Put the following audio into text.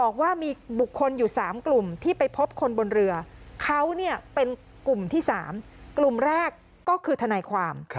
กลุ่มที่๓กลุ่มแรกก็คือทนายความ